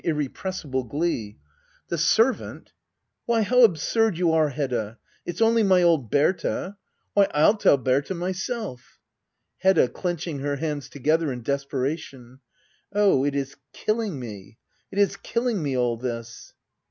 irrepressible glee,] The servant' i you are, Hedda. It's only my old hj, how absurd ^ Berta ! Why, Tlf tell Berta myself. Hedda. [Clenching her hands together in desperation,] Oh, it is killing me, — it is killing me, all this